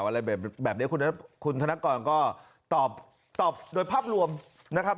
อะไรแบบนี้คุณธนกรก็ตอบตอบโดยภาพรวมนะครับ